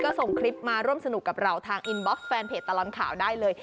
ก็ส่งคลิปมาร่วมสนุกกับเราทางอินบ็อกซ์แฟนเพจตลอดข่าวได้เลย